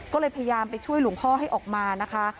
ก็เลยพยายามไปช่วยหลวงพ่อให้ออกมานะคะ